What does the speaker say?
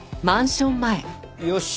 よし。